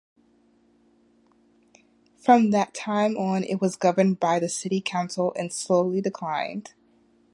From that time on it was governed by the city council and slowly declined.